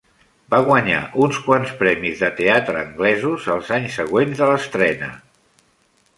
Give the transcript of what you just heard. Va guanyar uns quants premis de teatre anglesos els anys següents a l'estrena.